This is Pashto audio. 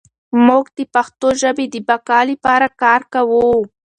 موږ د پښتو ژبې د بقا لپاره کار کوو.